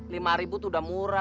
lima ribu itu udah murah